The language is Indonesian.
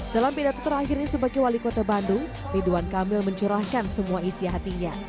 dalam pidato terakhirnya sebagai wali kota bandung ridwan kamil mencurahkan semua isi hatinya